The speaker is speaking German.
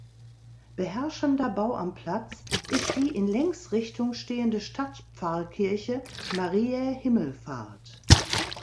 Beherrschender Bau am Platz ist die in Längsrichtung stehende Stadtpfarrkirche Mariä Himmelfahrt.